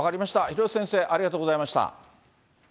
廣瀬先生、ありがとうございました。